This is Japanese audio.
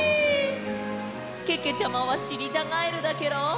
けけちゃまはしりたガエルだケロ！